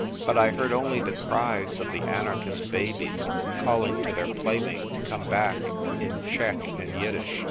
But I heard only the cries of the anarchist babies, calling to their playmate to come back in Czech and Yiddish.